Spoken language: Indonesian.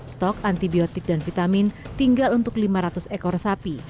stok antibiotik dan vitamin tinggal untuk lima ratus ekor sapi